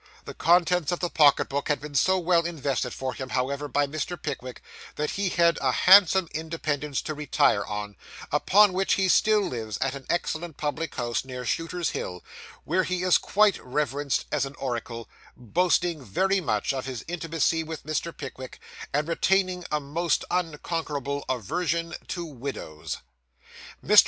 The contents of the pocket book had been so well invested for him, however, by Mr. Pickwick, that he had a handsome independence to retire on, upon which he still lives at an excellent public house near Shooter's Hill, where he is quite reverenced as an oracle, boasting very much of his intimacy with Mr. Pickwick, and retaining a most unconquerable aversion to widows. Mr.